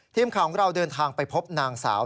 ทีมข่าวของเราเดินทางไปพบนางสาว